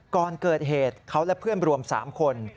ก่อนเกิดเหตุเขาและเพื่อนรวม๓คน